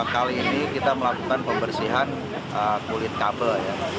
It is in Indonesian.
kali ini kita melakukan pembersihan kulit kabel